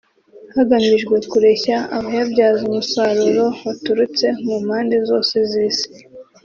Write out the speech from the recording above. hagamijwe kureshya abayabyaza umusaruro baturutse mu mpande zose z’isi